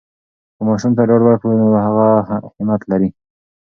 که ماشوم ته ډاډ ورکړو، نو هغه همت لری.